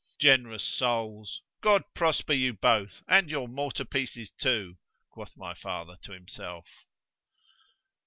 Generous souls!—God prosper you both, and your mortar pieces too! quoth my father to himself.